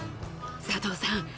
佐藤さん